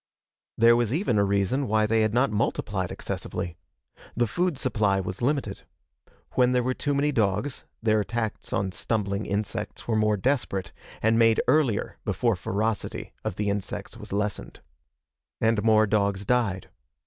There was even a reason why they had not multiplied excessively. The food supply was limited. When there were too many dogs, their attacks on stumbling insects were more desperate, and made earlier before ferocity of the insects was lessened. And more dogs died.